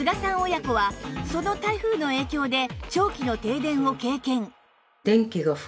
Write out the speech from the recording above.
親子はその台風の影響で長期の停電を経験